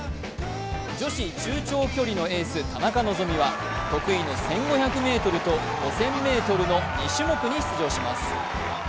女子中長距離のエース田中希実は、得意の１５００ｍと５０００ｍの２種目に出場します。